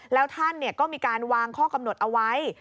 แล้วท่านก็มีการวางข้อกำหนดเอาไว้